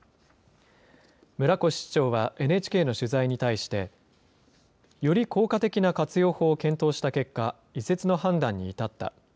村越市長はＮＨＫの取材に対して、より効果的な活用法を検討した結果、移設の判断に至った。